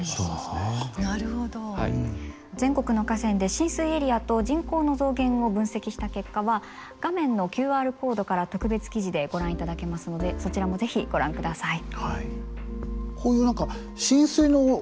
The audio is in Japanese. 全国の河川で浸水エリアと人口の増減を分析した結果は画面のＱＲコードから特別記事でご覧いただけますのでそちらも是非ご覧ください。